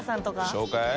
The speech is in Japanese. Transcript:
紹介？